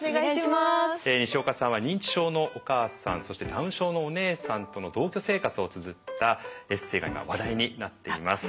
にしおかさんは認知症のお母さんそしてダウン症のお姉さんとの同居生活をつづったエッセーが今話題になっています。